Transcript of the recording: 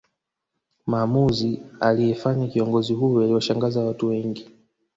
Maamuzi aliyefanya kiongozi huyo aliwashangaza watu wengi